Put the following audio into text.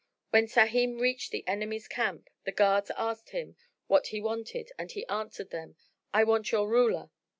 When Sahim reached the enemies' camp, the guards asked him what he wanted, and he answered them, "I want your ruler."